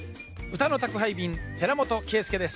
歌の宅配便寺本圭佑です。